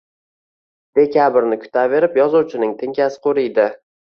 Dekabrni kutaverib yozuvchining tinkasi quriydi